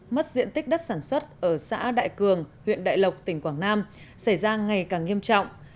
mất diện tích đất sản xuất ở xã đại cường huyện đại lộc tỉnh quảng nam xảy ra ngày càng nghiêm trọng